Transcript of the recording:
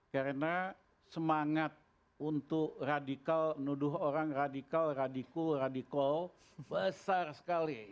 karena semangat untuk radical menuduh orang radical radiku radical besar sekali